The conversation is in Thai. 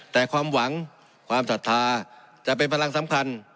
แต่ความหวังความศรัทธาจะเป็นพลังสำคัญ